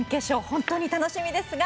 本当に楽しみです！